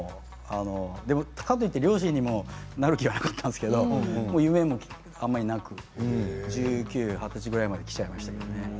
かといって漁師にもなる気はなかったんですけど夢もあまりなく、十九、二十歳ぐらいまできちゃいましたね。